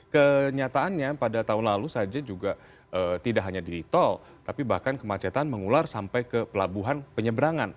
kenyataannya pada tahun lalu saja juga tidak hanya di tol tapi bahkan kemacetan mengular sampai ke pelabuhan penyeberangan